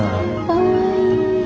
かわいい。